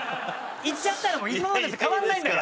行っちゃったら今までと変わんないんだから。